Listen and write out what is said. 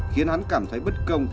khiến hắn cảm thấy bất công